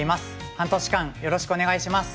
半年間よろしくお願いします。